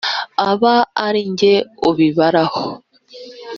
aba ari jye ubibaraho